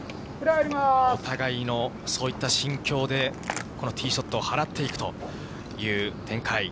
お互いのそういった心境で、このティーショットを払っていくという展開。